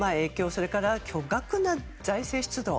それから巨額な財政出動